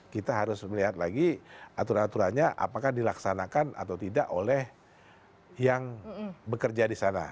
kita harus melihat lagi aturan aturannya apakah dilaksanakan atau tidak oleh yang bekerja di sana